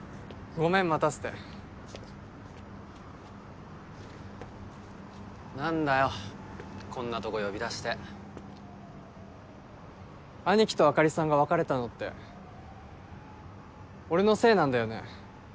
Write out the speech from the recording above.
ごめん待たせて何だよこんなとこ呼び出して兄貴とあかりさんが別れたのって俺のせいなんだよね？